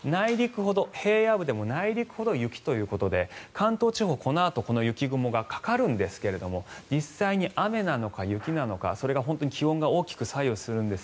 平野部でも内陸ほど雪ということで関東地方、このあとこの雪雲がかかるんですが実際に雨なのか雪なのかそれが本当に気温が大きく左右するんです。